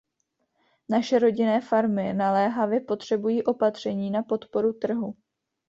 Naše rodinné farmy naléhavě potřebují opatření na podporu trhu.